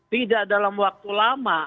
tidak dalam waktu lama